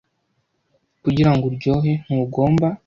kugira ngo uryohe ntugomba